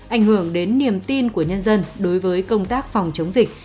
ảnh hưởng đến niềm tin của nhân dân đối với công tác phòng chống dịch